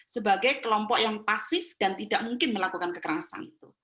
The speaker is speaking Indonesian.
sebagai kelompok yang pasif dan tidak mungkin melakukan kekerasan